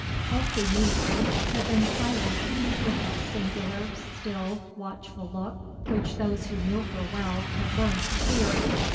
Elsie meantime had been silent, with that singular, still, watchful look which those who knew her well had learned to fear.